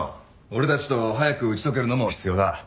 俺たちと早く打ち解けるのも必要だ。